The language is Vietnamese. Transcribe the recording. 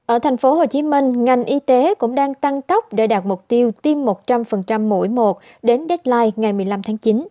ở thành phố hồ chí minh ngành y tế cũng đang tăng tốc để đạt mục tiêu tiêm một trăm linh mũi một đến deadline ngày một mươi năm tháng chín